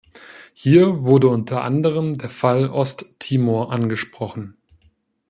Hier wurde unter anderem der Fall Ost-Timor angesprochen.